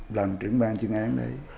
làm trưởng ban chứng án đấy